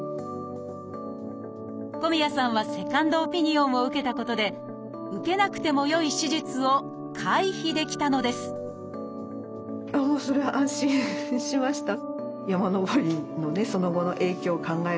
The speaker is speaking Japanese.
小宮さんはセカンドオピニオンを受けたことで受けなくてもよい手術を回避できたのですそれは安心しました。